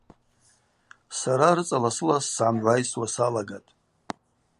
Сара рыцӏа ласылас сгӏамгӏвайсуа салагатӏ.